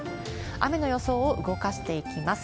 雨の予想を動かしていきます。